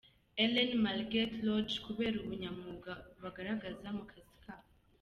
E Ellen Margrethe Loej kubera ubunyamwuga bagaragaza mu kazi kabo.